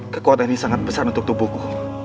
kekuatan ini sangat besar untuk tubuhku